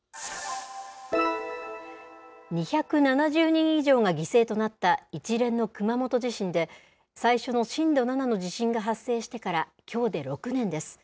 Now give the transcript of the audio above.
２７０人以上が犠牲となった一連の熊本地震で、最初の震度７の地震が発生してからきょうで６年です。